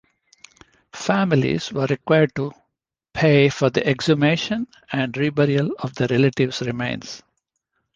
Families were required to pay for the exhumation and reburial of their relatives' remains.